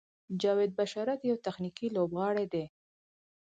جاوید بشارت یو تخنیکي لوبغاړی دی.